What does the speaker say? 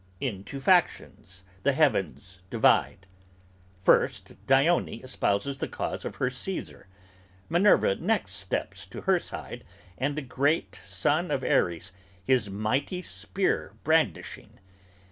Into factions The heavens divide; first Dione espouses the cause of Her Caesar. Minerva next steps to her side and the great son Of Ares, his mighty spear brandishing!